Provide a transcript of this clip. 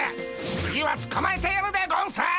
次はつかまえてやるでゴンス！